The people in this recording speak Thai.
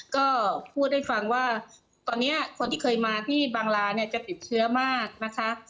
ก็พูดให้ฟังว่าตอนนี้คนที่เคยมาที่บางลาเนี่ยจะติดเชื้อมากนะคะ